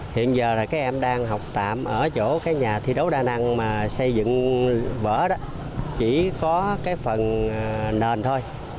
hiện giờ là các em đang học tạm ở chỗ cái nhà thi đấu đa năng mà xây dựng vở đó chỉ có cái phần nền thôi